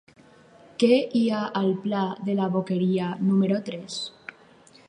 Què hi ha al pla de la Boqueria número tres?